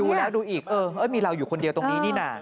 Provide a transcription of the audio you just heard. ดูแล้วดูอีกเออมีเราอยู่คนเดียวตรงนี้นี่น่ะ